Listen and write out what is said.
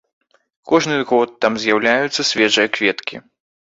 Кожны год там з'яўляюцца свежыя кветкі.